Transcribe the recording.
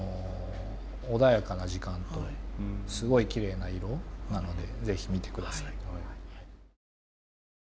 穏やかな時間とすごいきれいな色なのでぜひ見て下さい。